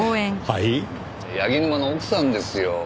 柳沼の奥さんですよ。